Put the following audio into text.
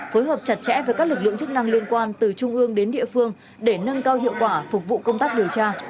phối hợp chặt chẽ với các lực lượng chức năng liên quan từ trung ương đến địa phương để nâng cao hiệu quả phục vụ công tác điều tra